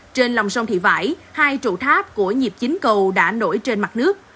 trên lòng sông thị vải hai trụ tháp của nhịp chính cầu đã nổi trên mặt nước